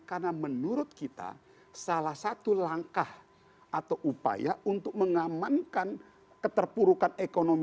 karena menurut kita salah satu langkah atau upaya untuk mengamankan keterpurukan ekonomi